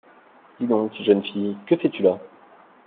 Dis-donc, jeune fille, que fais-tu là?